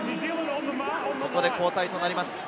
ここで交代となります。